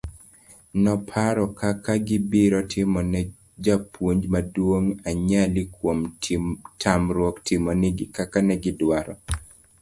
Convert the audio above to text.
noparo kaka gibiro timone japuonj maduong' anyali kuom tamruok timo nigi kaka negidwaro